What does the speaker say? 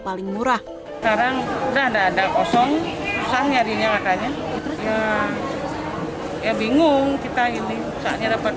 paling murah sekarang udah ada ada kosong susah nyarinya katanya ya bingung kita ini saatnya dapat